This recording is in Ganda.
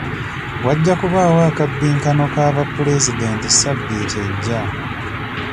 Wajja kubaawo akabbinkano ka ba pulezidenti ssabbiiti ejja.